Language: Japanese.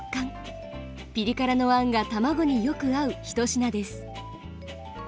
ピリ辛のあんが卵によく合う一品です。